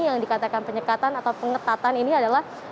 yang dikatakan penyekatan atau pengetatan ini adalah